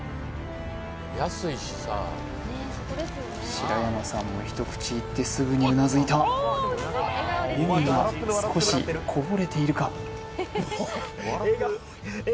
白山さんも一口いってすぐにうなずいた笑みが少しこぼれているか？